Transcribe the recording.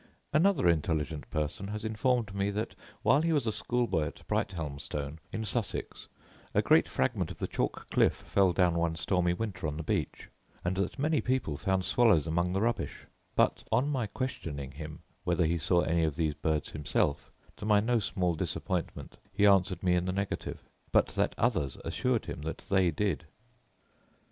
Another intelligent person has informed me that, while he was a schoolboy at Brighthelmstone, in Sussex, a great fragment of the chalk cliff fell down one stormy winter on the beach; and that many people found swallows among the rubbish; but, on my questioning him whether he saw any of those birds himself, to my no small disappointment, he answered me in the negative; but that others assured him they did.